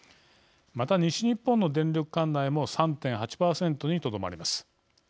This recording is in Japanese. また、西日本の電力管内も３．８％にとどまります。